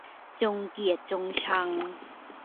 จงเกลียดจงชัง